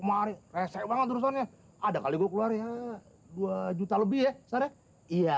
hari resep banget terusannya ada kali gua keluar ya dua juta lebih ya sara iya